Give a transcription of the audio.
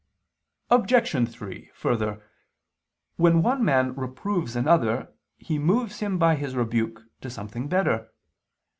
Obj. 3: Further, when one man reproves another he moves him by his rebuke to something better.